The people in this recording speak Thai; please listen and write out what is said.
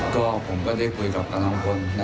ก็ผมก็ได้คุยกับกำลังพล